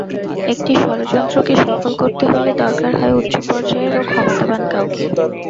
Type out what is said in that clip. একটি ষড়যন্ত্রকে সফল করতে হলে দরকার হয় উচ্চপর্যায়ের ও ক্ষমতাবান কাউকে।